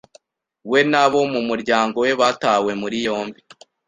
we n'abo mu muryango we batawe muri yombi